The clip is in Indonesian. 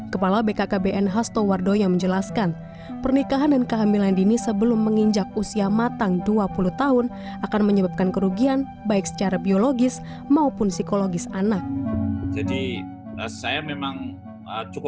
kepala bkkbn hasto wardo yang menjelaskan pernikahan dan kehamilan dini sebelum menginjak usia matang dua puluh tahun akan menyebabkan kerugian baik secara biologis maupun psikologis anak